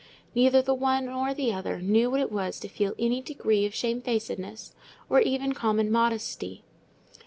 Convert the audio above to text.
Neither the one nor the other knew what it was to feel any degree of shamefacedness, or even common modesty.